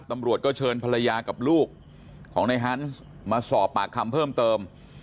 ตำรวจก็เชิญภรรยากับลูกของในฮันส์มาสอบปากคำเพิ่มเติม